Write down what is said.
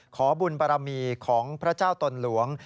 ขอบุญบารมีของพระเจ้าตนหลวง